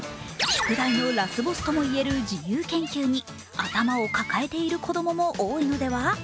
宿題のラスボスともいえる自由研究に頭を抱えている子供も多いのでは？